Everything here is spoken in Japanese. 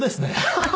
ハハハハ。